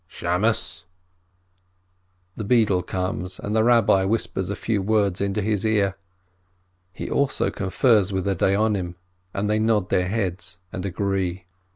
Beadle !" The beadle comes, and the Rabbi whispers a few words into his ear. He also confers with the Dayonim, and they nod their heads and agree.